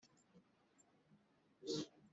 Irimo amagambo akomeye aho aba agira ati